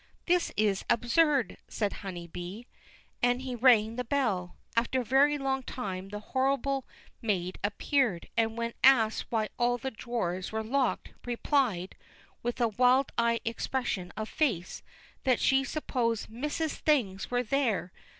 "This is absurd," said Honeybee; and he rang the bell. After a very long time the horrible maid appeared, and when asked why all the drawers were looked, replied, with a wild eyed expression of face, that she supposed "missus's things was there."